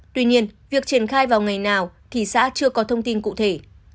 tuy nhiên việc triển khai vào ngày nào thì xã chưa có thông tin cụ thể